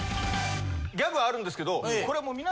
ギャグあるんですけどこれ。